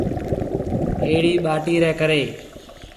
اھڙِي ٻاٽِي رَي ڪري۔